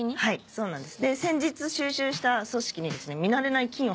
そうなんです。